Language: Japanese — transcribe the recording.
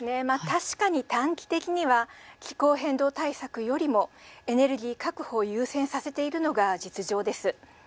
確かに短期的には気候変動対策よりもエネルギー確保を優先させているのが実情です。